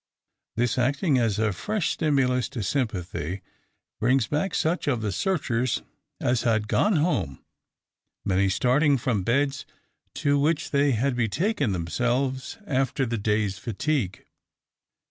This, acting as a fresh stimulus to sympathy, brings back such of the searchers as had gone home; many starting from beds to which they had betaken themselves after the day's fatigue.